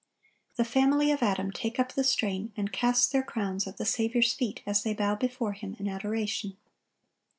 The family of Adam take up the strain, and cast their crowns at the Saviour's feet as they bow before Him in adoration.